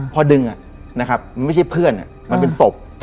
พอดึงนะครับไม่ใช่เพื่อนมันเป็นศพ